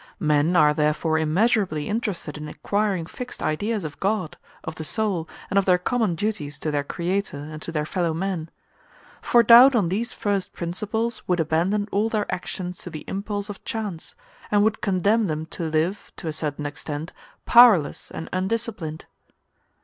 Men are therefore immeasurably interested in acquiring fixed ideas of God, of the soul, and of their common duties to their Creator and to their fellow men; for doubt on these first principles would abandon all their actions to the impulse of chance, and would condemn them to live, to a certain extent, powerless and undisciplined.